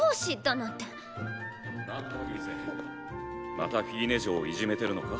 またフィーネ嬢をいじめてるのか？